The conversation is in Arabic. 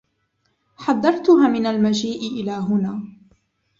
حذّرتها من المجيء إلى هنا.